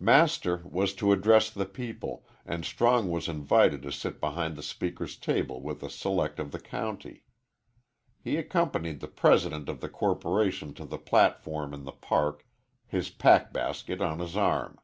Master was to address the people, and Strong was invited to sit behind the speaker's table with the select of the county. He accompanied the president of the corporation to the platform in the park, his pack basket on his arm.